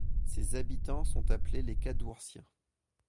Ses habitants sont appelés les Cadoursiens.